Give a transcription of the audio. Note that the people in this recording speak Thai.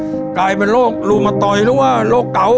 อุดตายเป็นโรครูมเตอร์หรือว่าโรคเก่า